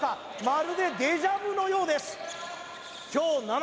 まるでデジャビュのようです今日